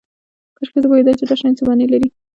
کاشکې زه پوهیدای چې دا شیان څه معنی لري